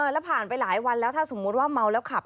แล้วผ่านไปหลายวันแล้วถ้าสมมุติว่าเมาแล้วขับ